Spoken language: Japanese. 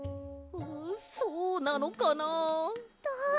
そうなのかな？